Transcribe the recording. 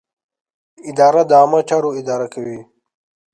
اداره د عامه چارو اداره کوي.